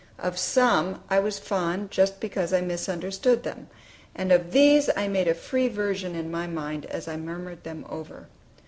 Of some I was fond just because I misunderstood them; and of these I made a free version in my mind, as I murmured them over.